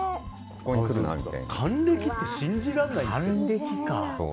還暦って信じられないよね。